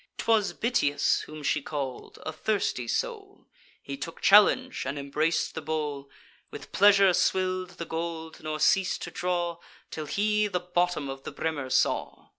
'Twas Bitias whom she call'd, a thirsty soul; He took the challenge, and embrac'd the bowl, With pleasure swill'd the gold, nor ceas'd to draw, Till he the bottom of the brimmer saw.